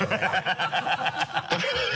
ハハハ